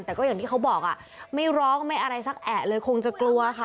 แต่ก็อย่างที่เขาบอกอ่ะไม่ร้องไม่อะไรสักแอะเลยคงจะกลัวค่ะ